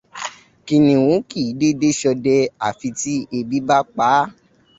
Kìnìhún kì í dédé ṣọdẹ àyàfi tí ebi bá pa á.